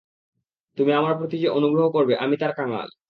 তুমি আমার প্রতি যে অনুগ্রহ করবে আমি তার কাঙ্গাল।